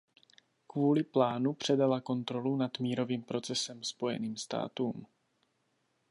Kvůli plánu předala kontrolu nad mírovým procesem Spojeným státům.